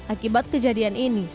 akibat kejadian ini